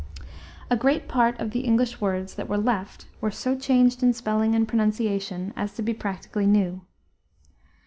A great part of the English words that were left were so changed in spelling and pronunciation as to be practically new.